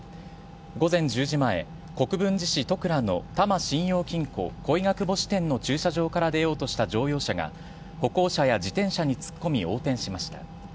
午前１０時前、国分寺市戸倉の多摩信用金庫恋ヶ窪支店の駐車場から出ようとした乗用車が、歩行者や自転車に突っ込み、横転しました。